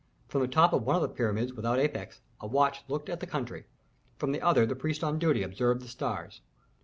From the top of one of these pyramids without apex, a watch looked at the country; from the other the priest on duty observed the stars.